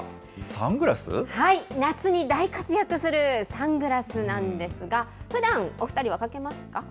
夏に大活躍するサングラスなんですが、ふだん、お２人はかけますか？